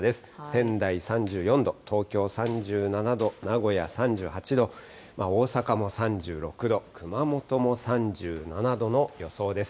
仙台３４度、東京３７度、名古屋３８度、大阪も３６度、熊本も３７度の予想です。